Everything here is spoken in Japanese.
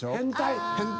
変態？